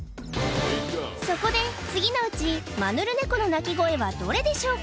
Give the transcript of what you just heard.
そこで次のうちマヌルネコの鳴き声はどれでしょうか？